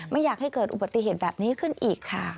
ไม่อยากให้เกิดอุบัติเหตุแบบนี้ขึ้นอีกค่ะ